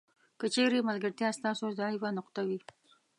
که چیرې ملګرتیا ستاسو ضعیفه نقطه وي.